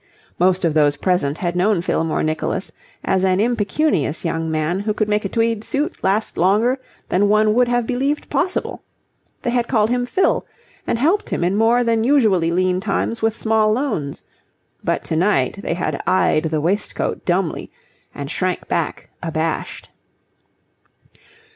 Most of those present had known Fillmore Nicholas as an impecunious young man who could make a tweed suit last longer than one would have believed possible; they had called him "Fill" and helped him in more than usually lean times with small loans: but to night they had eyed the waistcoat dumbly and shrank back abashed.